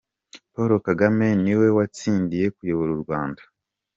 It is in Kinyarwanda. Paul Kagame ni we watsindiye kuyobora u Rwanda.